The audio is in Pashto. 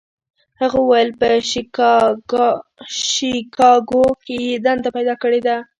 هغه وویل په شیکاګو کې یې دنده پیدا کړې ده.